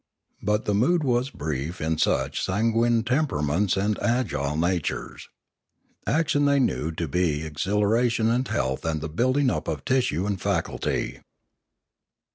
But the mood was brief in such sanguine temperaments and agile natures. Action they knew to be exhilaration and health and the building up of tissue and faculty.